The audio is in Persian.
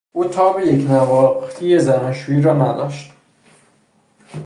او تاب یکنواختی زناشویی را نداشت.